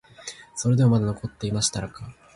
それでもまだ残っていましたから、